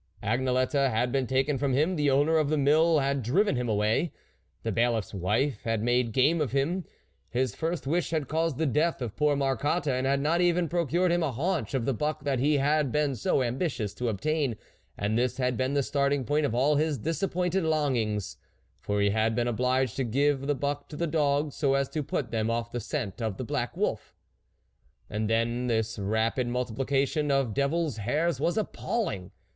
Agnelette had been taken from him ; the owner of the mill had driven him away ; the Bailiffs wife had made game of him. His first wish had caused the death of poor Marcotte, and had not even pro cured him a haunch of the buck that he had been so ambitious to obtain, and this had been the starting point of all his dis appointed longings, for he had been obliged to give the buck to the dogs so as to put them off the scent of the black wolf. And then this rapid multiplication of devil's hairs was appalling